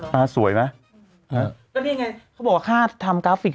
ไม่มันแบบเห็นขอ